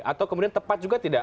atau kemudian tepat juga tidak